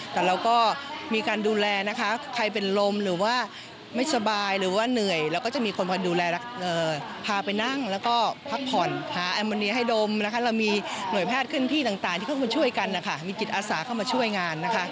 ที่เข้ามาช่วยกันมีกิจอาศาเข้ามาช่วยงาน